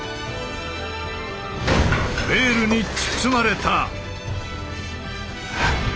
ベールに包まれた。